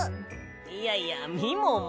いやいやみもも。